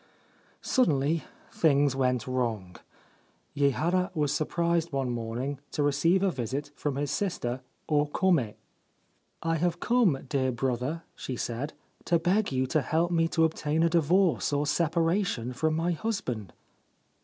Suddenly things went wrong. Yehara was surprised one morning to receive a visit from his sister O Kome. 4 1 have come, dear brother/ she said, 4 to beg you to help me to obtain a divorce or separation from my husband.'